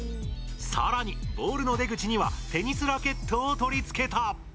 さらに、ボールの出口にはテニスラケットを取り付けた。